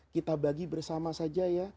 kita bagi bersama saja ya